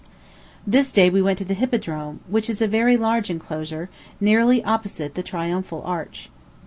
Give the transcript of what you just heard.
This day we went to the Hippodrome, which is a very large enclosure, nearly opposite the Triumphal Arch.